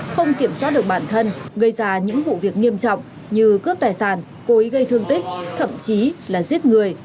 không kiểm soát được bản thân gây ra những vụ việc nghiêm trọng như cướp tài sản cố ý gây thương tích thậm chí là giết người